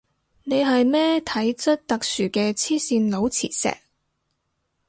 你係咩體質特殊嘅黐線佬磁石